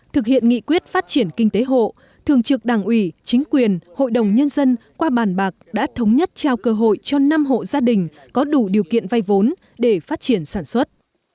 thực hiện nghị quyết phát triển kinh tế hộ thường trực đảng ủy chính quyền hội đồng nhân dân qua bàn bạc đã thống nhất trao cơ hội cho năm hộ gia đình có đủ điều kiện vay vốn để phát triển sản xuất